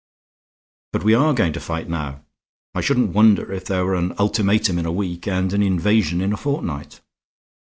But we are going to fight now; I shouldn't wonder if there were an ultimatum in a week and an invasion in a fortnight.